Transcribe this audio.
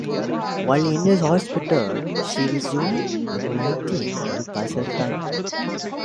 While in the hospital, she resumed writing to pass her time.